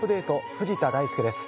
藤田大介です。